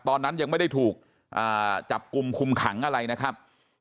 ตอนนั้นยังไม่ได้ถูกจับกลุ่มคุมขังอะไรนะครับ